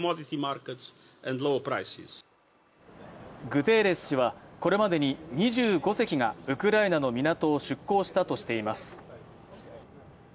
グテーレス氏はこれまでに２５隻がウクライナの港を出港したとしています。